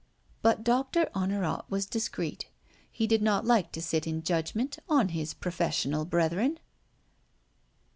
But Doctor Honorat was discreet. He did not like to sit in judgment on his professional brethren.